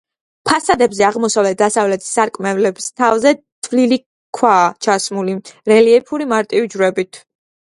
ფასადებზე აღმოსავლეთ-დასავლეთის სარკმლების თავზე თლილი ქვაა ჩასმული რელიეფური მარტივი ჯვრებით.